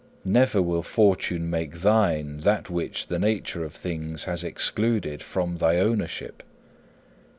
Never will fortune make thine that which the nature of things has excluded from thy ownership.